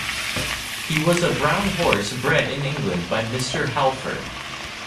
He was a brown horse bred in England by Mr. Halford.